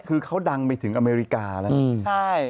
คือเขาดังไปถึงอเมริกาแล้วนะ